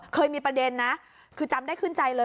เคยมีประเด็นนะคือจำได้ขึ้นใจเลย